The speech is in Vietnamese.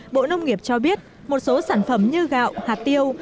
bộ nông nghiệp cho biết một số sản phẩm như gạo hạt tiêu